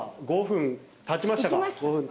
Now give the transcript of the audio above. ５分経ちました。